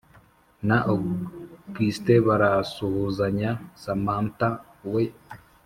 na august barasuhazanya samantha we